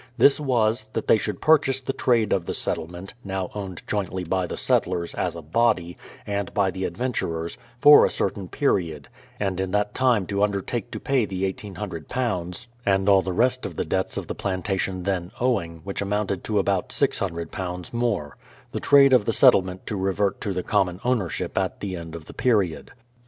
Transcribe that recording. This was, that they should purchase the trade of the settlement (now Qwned jointly by the settlers, as a body, and by the adven 18G bhadford's history of turers) for a certain period, and in that time to undertake to pay the £1800, and all the rest of the debts of the plan tation then owing, which amounted to about £600 more ; the trade of the settlement to revert to the common own ership at the end of the period.